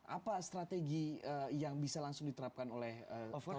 apa strategi yang bisa langsung diterapkan oleh taurus gemilang